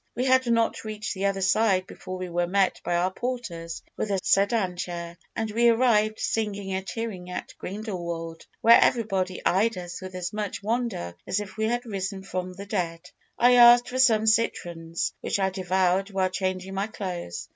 We had not reached the other side before we were met by our porters with the sedan chair; and we arrived singing and cheering at Grindelwald, where everybody eyed us with as much wonder as if we had risen from the dead. I asked for some citrons, which I devoured while changing my clothes.